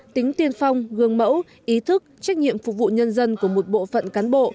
tính tiên phong gương mẫu ý thức trách nhiệm phục vụ nhân dân của một bộ phận cán bộ